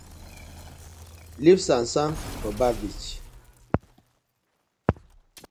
Leave sand sand for bar beach.